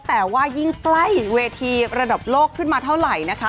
แต่ว่ายิ่งใกล้เวทีระดับโลกขึ้นมาเท่าไหร่นะคะ